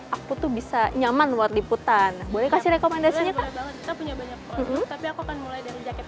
aku tuh bisa nyaman buat liputan boleh kasih rekomendasinya punya banyak tapi aku akan mulai dari jaket